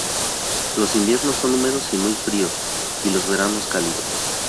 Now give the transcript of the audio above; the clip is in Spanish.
Los inviernos son húmedos y muy fríos y los veranos cálidos.